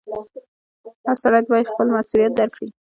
• هر سړی باید خپل مسؤلیت درک کړي.